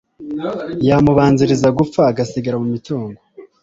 yamubanziriza gupfa agasigara mu mitungo